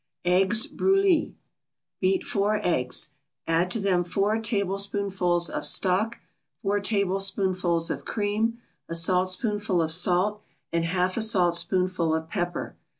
EGGS BROULLI Beat four eggs. Add to them four tablespoonfuls of stock, four tablespoonfuls of cream, a saltspoonful of salt and half a saltspoonful of pepper.